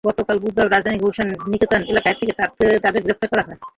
গতকাল বুধবার রাজধানীর গুলশানের নিকেতন এলাকা থেকে তাঁদের গ্রেপ্তার করা হয়।